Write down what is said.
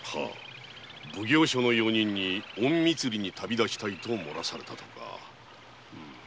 奉行所の用人に隠密裡に旅立つと洩らされたとか。